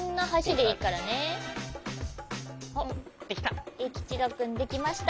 できた。